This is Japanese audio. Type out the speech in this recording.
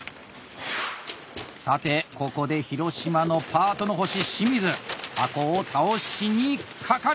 さてここで広島のパートの星・清水箱を倒しにかかる！